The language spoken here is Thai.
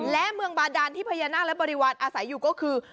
และเมืองบาดานที่พญานาคและบริวารอาศัยอยู่ก็คือ